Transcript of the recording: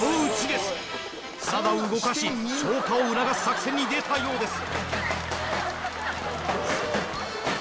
体を動かし消化を促す作戦に出たようです。